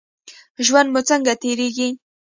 ژوند مو څنګه تیریږي؟